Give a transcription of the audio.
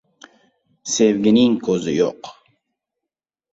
• Sevgining ko‘zi yo‘q.